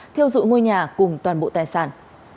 thiêu dụng ngôi nhà cùng toàn bộ tài sản